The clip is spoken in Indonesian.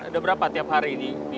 ada berapa tiap hari